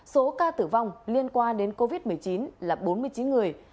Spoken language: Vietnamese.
số ca tử vong liên quan đến covid một mươi chín là bốn mươi chín người